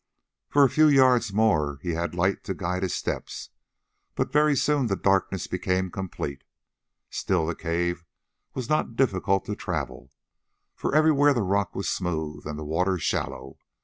For a few yards more he had light to guide his steps, but very soon the darkness became complete; still the cave was not difficult to travel, for everywhere the rock was smooth and the water shallow.